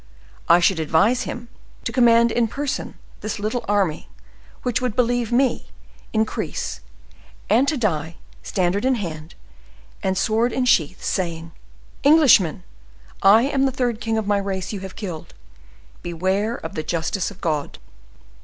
I should advise him to command in person this little army, which would, believe me, increase, and to die, standard in hand, and sword in sheath, saying, 'Englishmen! I am the third king of my race you have killed; beware of the justice of God!